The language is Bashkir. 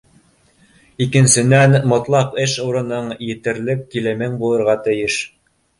Икенсенән, мотлаҡ эш урының, етерлек килемең булырға тейеш.